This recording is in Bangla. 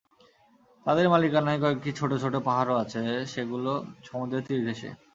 তাদের মালিকানায় কয়েকটি ছোট ছোট পাহাড়ও আছে, সেগুলো সমুদ্রের তীর ঘেঁষে।